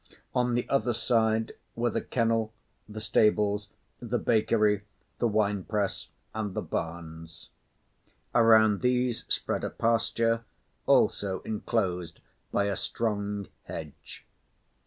On the other side were the kennel, the stables, the bakery, the wine press and the barns. Around these spread a pasture, also enclosed by a strong hedge.